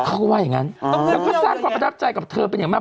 เขาก็ว่าอย่างนั้นแล้วก็สร้างความประทับใจกับเธอเป็นอย่างมาก